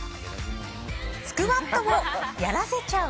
スクワットをやらせちゃう。